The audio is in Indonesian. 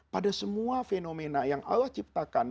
pada semua fenomena yang allah ciptakan